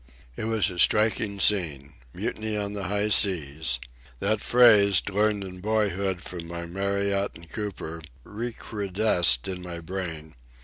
It was a striking scene. Mutiny on the high seas! That phrase, learned in boyhood from my Marryatt and Cooper, recrudesced in my brain.